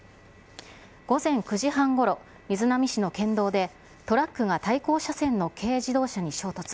午前９時半ごろ、瑞浪市の県道で、トラックが対向車線の軽自動車に衝突。